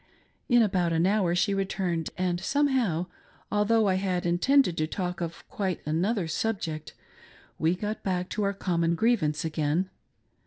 In about an hour she returned, and somehow, although I had intended to talk of quite another subject, we got back to our common grievance again.